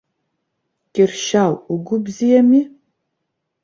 Кьыршьал, угәы бзиами?